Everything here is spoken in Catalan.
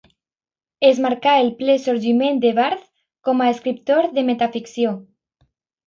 Es marca el ple sorgiment de Barth com a escriptor de metaficció.